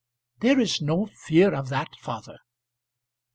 "There is no fear of that, father."